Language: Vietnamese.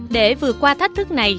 để vừa qua thách thức này